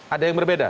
ada yang berbeda